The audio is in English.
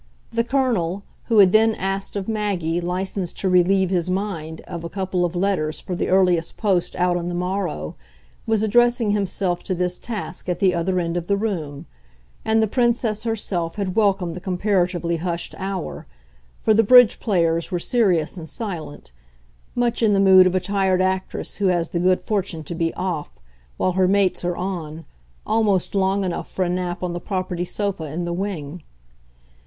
The Colonel, who had then asked of Maggie license to relieve his mind of a couple of letters for the earliest post out on the morrow, was addressing himself to this task at the other end of the room, and the Princess herself had welcomed the comparatively hushed hour for the bridge players were serious and silent much in the mood of a tired actress who has the good fortune to be "off," while her mates are on, almost long enough for a nap on the property sofa in the wing.